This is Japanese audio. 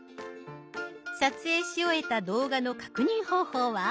撮影し終えた動画の確認方法は？